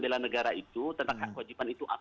bela negara itu tentang hak dan kewajiban itu